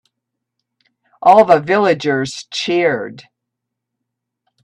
All the villagers cheered.